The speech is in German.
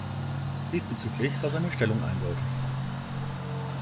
Diesbezüglich war seine Stellung eindeutig.